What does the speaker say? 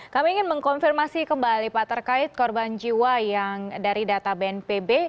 kami ingin mengkonfirmasi kembali pak terkait korban jiwa yang dari data bnpb